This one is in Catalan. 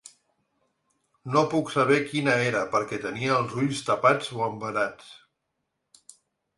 No puc saber quina era perquè tenia els ulls tapats o embenats.